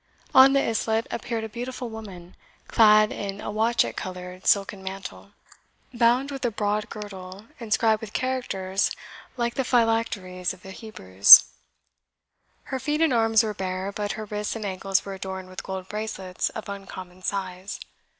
On the islet appeared a beautiful woman, clad in a watchet coloured silken mantle, bound with a broad girdle inscribed with characters like the phylacteries of the Hebrews. Her feet and arms were bare, but her wrists and ankles were adorned with gold bracelets of uncommon size.